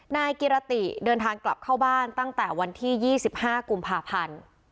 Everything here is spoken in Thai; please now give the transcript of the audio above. นายกิรติเดินทางกลับเข้าบ้านตั้งแต่วันที่๒๕กุมภาพันธ์